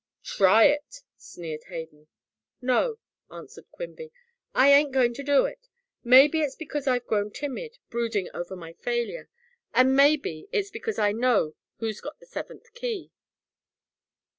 "Try it," sneered Hayden. "No," answered Quimby, "I ain't going to do it. Maybe it's because I've grown timid, brooding over my failure. And maybe it's because I know who's got the seventh key."